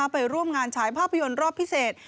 ไปร่วมงานฉายภาพยนตร์รอบพิเศษ